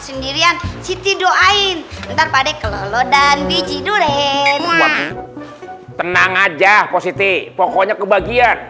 sendirian siti doain ntar padeh kelolo dan biji duret tenang aja positi pokoknya kebagian